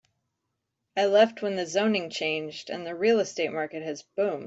I left when the zoning changed and the real estate market has boomed.